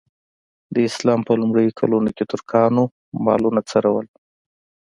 د اسلام په لومړیو کلونو کې ترکانو مالونه څرول.